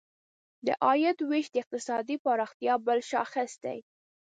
د عاید ویش د اقتصادي پراختیا بل شاخص دی.